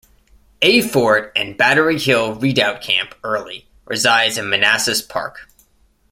"A" Fort and Battery Hill Redoubt-Camp Early resides in Manassas Park.